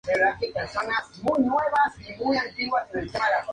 Descendió de categoría.